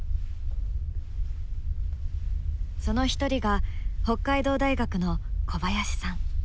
その一人が北海道大学の小林さん。